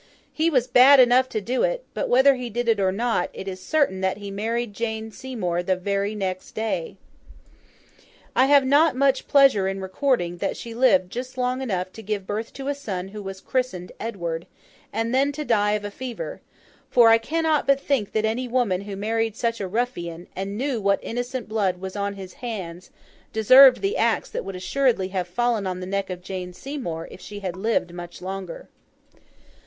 He was bad enough to do it; but whether he did it or not, it is certain that he married Jane Seymour the very next day. I have not much pleasure in recording that she lived just long enough to give birth to a son who was christened Edward, and then to die of a fever: for, I cannot but think that any woman who married such a ruffian, and knew what innocent blood was on his hands, deserved the axe that would assuredly have fallen on the neck of Jane Seymour, if she had lived much longer.